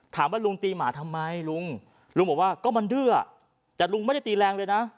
ลุงตีหมาทำไมลุงลุงบอกว่าก็มันดื้อแต่ลุงไม่ได้ตีแรงเลยนะ